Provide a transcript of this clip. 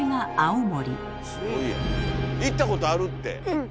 うん。